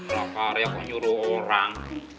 prakarya kok nyuruh orang